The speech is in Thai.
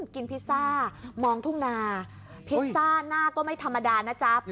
พิซซ่ามองทุ่งนาพิซซ่าหน้าก็ไม่ธรรมดานะจ๊ะ